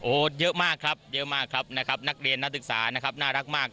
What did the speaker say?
โอ้โหเยอะมากครับเยอะมากครับนะครับนักเรียนนักศึกษานะครับน่ารักมาก